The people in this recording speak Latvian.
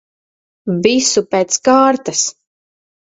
Visu pēc kārtas.